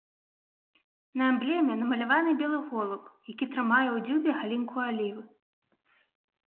На эмблеме намаляваны белы голуб, які трымае ў дзюбе галінку алівы.